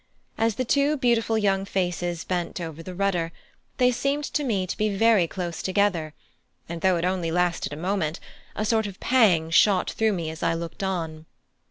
As the two beautiful young faces bent over the rudder, they seemed to me to be very close together, and though it only lasted a moment, a sort of pang shot through me as I looked on.